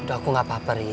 udah aku gapapa ri